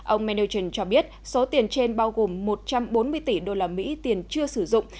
ông mennoten cho biết số tiền trên bao gồm một trăm bốn mươi tỷ đô la mỹ tiền chưa sử dụng